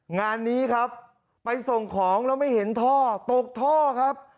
งานนี้ครับไปส่งของแล้วไม่เห็นท่อตกท่อครับ